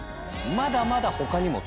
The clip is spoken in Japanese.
まだまだ他にも。